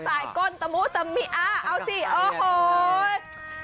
ก้นตะมุตะมิอ้าเอาสิโอ้โห